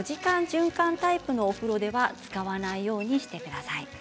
循環タイプのお風呂では使わないようにしてください。